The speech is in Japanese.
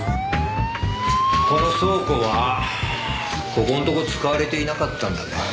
この倉庫はここのとこ使われていなかったんだね？